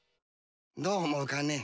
どう思うかね。